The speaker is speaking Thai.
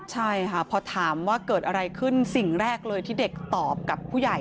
ใช่ค่ะพอถามว่าเกิดอะไรขึ้นสิ่งแรกเลยที่เด็กตอบกับผู้ใหญ่